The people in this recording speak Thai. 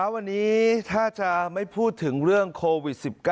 วันนี้ถ้าจะไม่พูดถึงเรื่องโควิด๑๙